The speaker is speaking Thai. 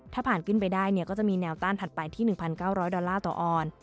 ถ้าผ่านกินไปได้ก็จะมีแนวต้านถัดไปที่๑๙๐๐ต่อออน